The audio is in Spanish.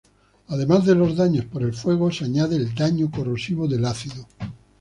Además de los daños por el fuego, se añade el daño corrosivo del ácido.